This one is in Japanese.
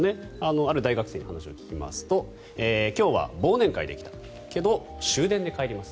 ある大学生に話を聞きますと今日は忘年会で来たけど終電で帰ります。